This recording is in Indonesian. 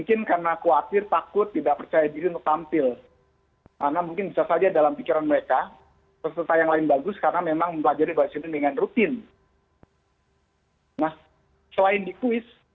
karena langsung dari u dua u